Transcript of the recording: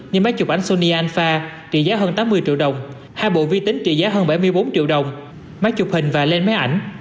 như máy chụp ảnh sonyanfa trị giá hơn tám mươi triệu đồng hai bộ vi tính trị giá hơn bảy mươi bốn triệu đồng máy chụp hình và lên máy ảnh